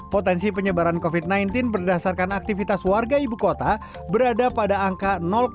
potensi penyebaran covid sembilan belas berdasarkan aktivitas warga ibu kota berada pada angka